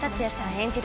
演じる